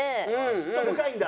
嫉妬深いんだ。